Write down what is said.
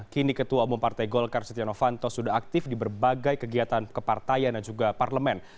kini ketua umum partai golkar setia novanto sudah aktif di berbagai kegiatan kepartaian dan juga parlemen